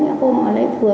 người ta cũng lấy về thì đến